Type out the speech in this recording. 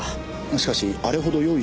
しかしあれほど用意